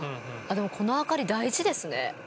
でもこの明かり大事ですね。